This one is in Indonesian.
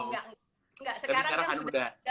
tapi sekarang kan udah